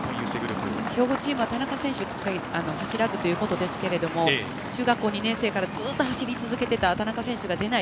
兵庫チームは田中選手が走らずということですが中学校２年生からずっと走り続けてきた田中選手が出ない。